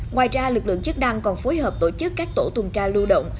ngoài ra lực lượng chức năng còn phối hợp tổ chức các tổ tuần tra lưu động